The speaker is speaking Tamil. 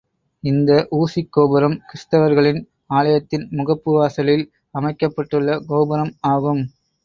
இந்த ஊசிக் கோபுரம் கிறிஸ்தவர்களின் ஆலயத்தின் முகப்பு வாசலில் அமைக்கப்பட்டுள்ள கோபுரம் ஆகும்.